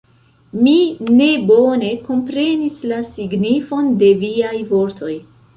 Mi ne bone komprenis la signifon de viaj vortoj.